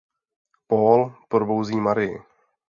Paul probouzí Marii.